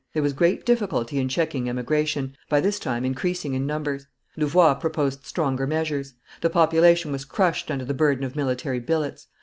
There was great difficulty in checking emigration, by this time increasing in numbers. Louvois proposed stronger measures. The population was crushed under the burden of military billets.